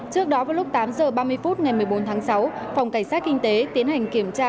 trước đó vào lúc tám h ba mươi phút ngày một mươi bốn tháng sáu phòng cảnh sát kinh tế tiến hành kiểm tra